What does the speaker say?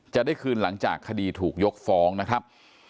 จะได้คืนหลังจากคดีถูกยกฟ้องนะครับ